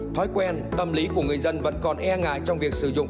thói quen tâm lý của người dân vẫn còn e ngại trong việc sử dụng